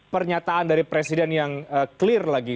pernyataan dari presiden yang clear lagi